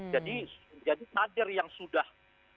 jadi jadi kader yang sudah